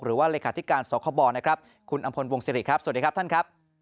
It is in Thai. เลขาธิการสคบนะครับคุณอำพลวงศิริครับสวัสดีครับท่านครับ